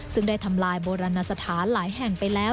ซึ่งได้ทำลายโบราณสถานหลายแห่งไปแล้ว